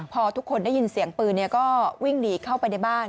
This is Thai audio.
พอทุกคนได้ยินเสียงปืนก็วิ่งหนีเข้าไปในบ้าน